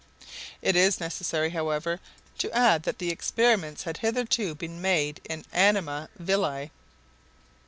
It is necessary, however, to add that the experiments had hitherto been made in anima vili.